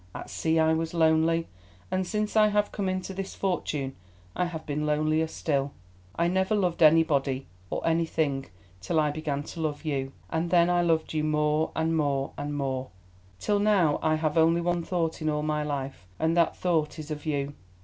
At sea I was lonely, and since I have come into this fortune I have been lonelier still. I never loved anybody or anything till I began to love you. And then I loved you more and more and more; till now I have only one thought in all my life, and that thought is of you.